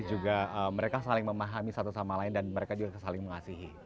juga mereka saling memahami satu sama lain dan mereka juga saling mengasihi